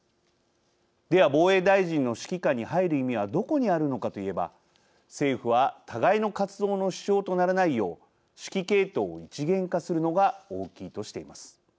では防衛大臣の指揮下に入る意味はどこにあるのかと言えば、政府は互いの活動の支障とならないよう指揮系統を一元化するのが大きいとしています。